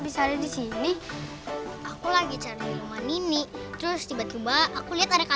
sampai jumpa di video selanjutnya